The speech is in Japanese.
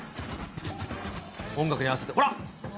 音楽に合わせて、ほら。